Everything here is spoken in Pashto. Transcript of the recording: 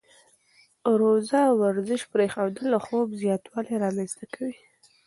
روزه ورزش پرېښودل او خوب زیاتوالی رامنځته کوي.